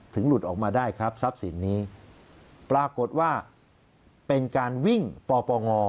หลุดออกมาได้ครับทรัพย์สินนี้ปรากฏว่าเป็นการวิ่งปปง